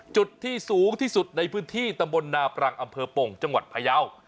จุดที่สูงที่สุดในพื้นที่ตำบลนาปรังอำเภอปงจังหวัดพยาว